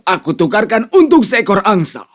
aku tukarkan untuk seekor angsa